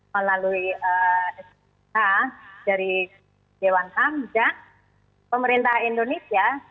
melalui sk dari dewan ham dan pemerintah indonesia